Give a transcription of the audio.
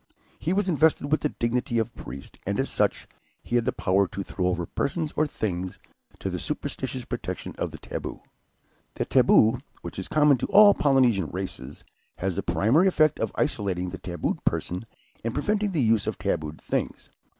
He was invested with the dignity of priest, and, as such, he had the power to throw over persons or things the superstitious protection of the "taboo." The "taboo," which is common to all the Polynesian races, has the primary effect of isolating the "tabooed" person and preventing the use of "tabooed" things.